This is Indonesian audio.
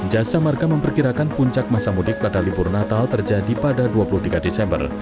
jasa marga memperkirakan puncak masa mudik pada libur natal terjadi pada dua puluh tiga desember